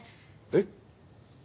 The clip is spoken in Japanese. えっ？